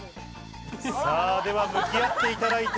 では向き合っていただいて。